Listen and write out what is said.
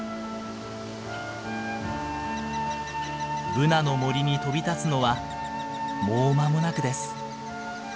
ブナの森に飛び立つのはもう間もなくです。